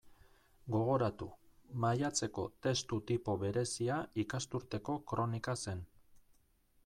Gogoratu; maiatzeko testu tipo berezia ikasturteko kronika zen.